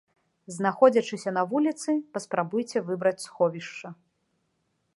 Знаходзячыся на вуліцы, паспрабуйце выбраць сховішча.